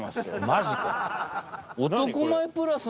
マジか。